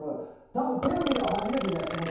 多分、テレビでは初めてじゃないですか。